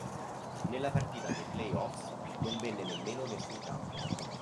Nella partita dei playoffs non venne nemmeno messo in campo.